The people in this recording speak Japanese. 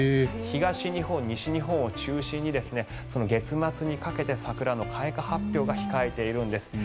東日本、西日本を中心に月末にかけて桜の開花発表が控えているんです。